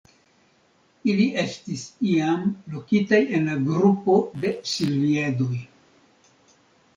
Ili estis iam lokitaj en la grupo de la Silviedoj.